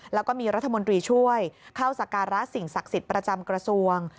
แล้วก็มีรัฐมนตรีช่วยเข้าสการะสิ่งศักดิ์สิทธิ์ประจำกระทรวง